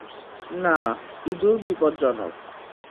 না, ইঁদুর বিপজ্জনক।